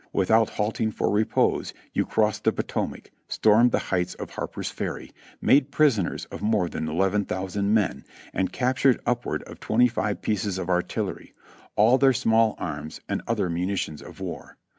Without halt ing for repose, you crossed the Potomac, stormed the heights of Harper's Ferry, made prisoners of more than 11,000 men, and captured upward of seventy five pieces of artillery, all their small arms and other munitions of war.